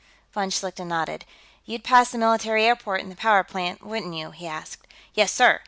Von Schlichten nodded. "You'd pass the military airport and the power plant, wouldn't you?" he asked. "Yes, sir.